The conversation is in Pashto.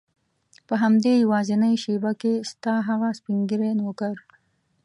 په همدې یوازینۍ شېبه کې ستا هغه سپین ږیری نوکر.